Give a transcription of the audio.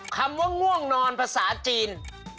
คำว่าง่วงนอนภาษาจีน